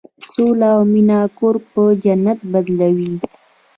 سوله او مینه کور په جنت بدلوي.